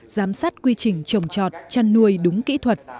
giám sát quy trình trồng trọt chăn nuôi đúng kỹ thuật